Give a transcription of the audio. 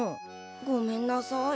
ごめんなさい。